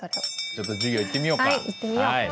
ちょっと授業行ってみようか。